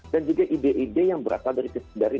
dan juga ide ide yang berasal dari